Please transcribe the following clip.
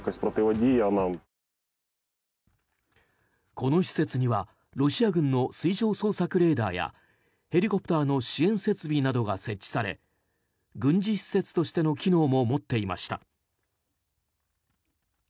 この施設にはロシア軍の水上捜索レーダーやヘリコプターの支援設備などが設置され軍事施設としての機能も持っていました。